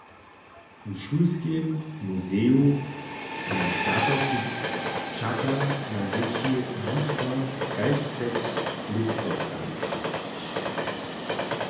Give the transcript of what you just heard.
W šulskim muzeju na statoku čaka na dźěći wučba kaž před lětstotkami.